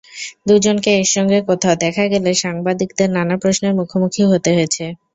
দুজনকে একসঙ্গে কোথাও দেখা গেলে সাংবাদিকদের নানা প্রশ্নের মুখোমুখিও হতে হয়েছে।